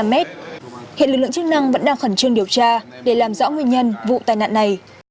hiện lực lượng chức năng vẫn đang khẩn trương điều tra để làm rõ nguyên nhân vụ tai nạn này